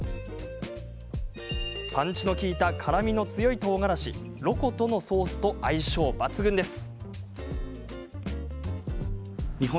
パンチの利いた辛みの強い、とうがらしロコトのソースと相性抜群です。